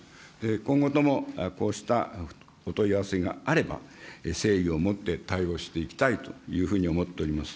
今後ともこうしたお問い合わせがあれば、誠意をもって対応していきたいというふうに思っております。